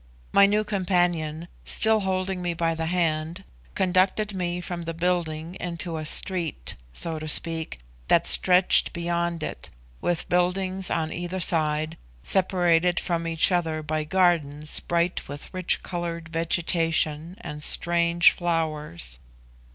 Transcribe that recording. My new companion, still holding me by the hand, conducted me from the building into a street (so to speak) that stretched beyond it, with buildings on either side, separated from each other by gardens bright with rich coloured vegetation and strange flowers.